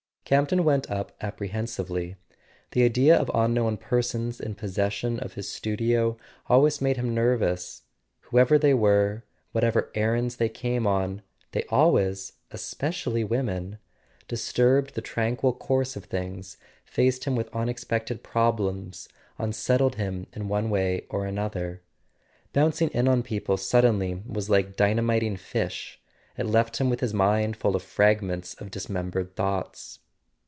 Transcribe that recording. Campton went up apprehensively. The idea of un¬ known persons in possession of his studio always made him nervous. Whoever they were, whatever errands they came on, they always—especially women—dis¬ turbed the tranquil course of things, faced him with unexpected problems, unsettled him in one way or another. Bouncing in on people suddenly was like dyna¬ miting fish: it left him with his mind full of fragments of dismembered thoughts.